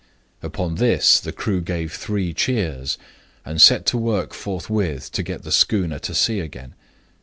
"Upon this the crew gave three cheers, and set to work forthwith to get the schooner to sea again.